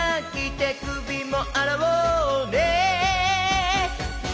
「てくびもあらおうねー！」